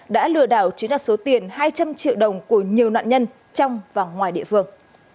đã lừa đảo chiếm đặt số tiền hai trăm linh triệu đồng của nhiều nạn nhân trong và ngoài địa phương